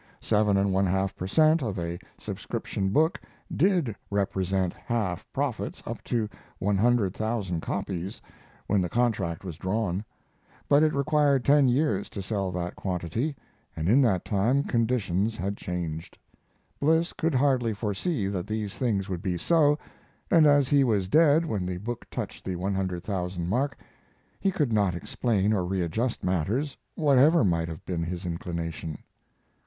Seven and one half per cent. of a subscription book did represent half profits up to 100,000 copies when the contract was drawn; but it required ten years to sell that quantity, and in that time conditions had changed. Bliss could hardly foresee that these things would be so, and as he was dead when the book touched the 100,000 mark he could not explain or readjust matters, whatever might have been his inclination.